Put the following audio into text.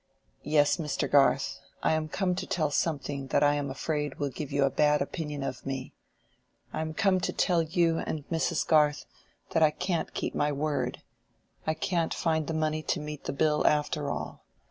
"Yes, Mr. Garth, I am come to tell something that I am afraid will give you a bad opinion of me. I am come to tell you and Mrs. Garth that I can't keep my word. I can't find the money to meet the bill after all.